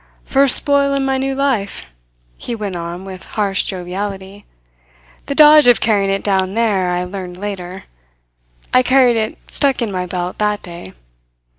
"First spoil in my new life," he went on with harsh joviality. "The dodge of carrying it down there I learned later. I carried it stuck in my belt that day.